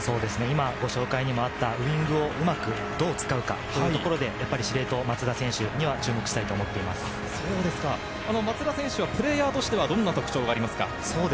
今、ご紹介にもあったウイングをうまくどう使うかというところで、司令塔・松田選手には注目したい松田選手はプレーヤーとしてはどんな特徴がありますか？